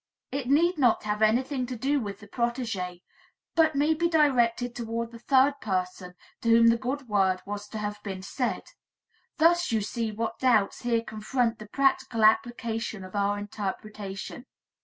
It need not have anything to do with the protegé, but may be directed toward the third person to whom the good word was to have been said. Thus, you see what doubts here confront the practical application of our interpretation.